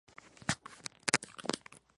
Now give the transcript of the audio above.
Siendo que no son lo mismo.